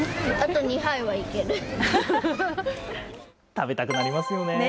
食べたくなりますよね。